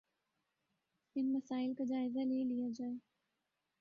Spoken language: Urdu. ان مسائل کا جائزہ لے لیا جائے